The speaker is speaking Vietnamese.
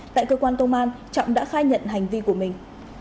tại cơ quan công an trọng đã khai nhận hành vi của mình